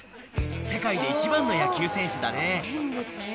世界で一番の野球選手だね。